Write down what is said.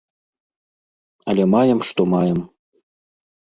Але маем што маем.